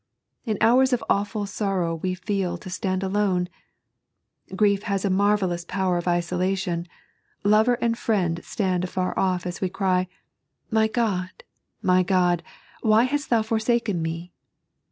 In hours of awful sorrow we feel to stand alone. Grief has a mar vellous power of isolation — ^lover and friend stand afar off Bs we cry: "My God, my God, why hast thou forsaken me?"